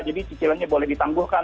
jadi cicilannya boleh ditangguhkan